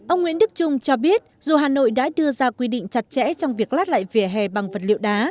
ông nguyễn đức trung cho biết dù hà nội đã đưa ra quy định chặt chẽ trong việc lát lại vỉa hè bằng vật liệu đá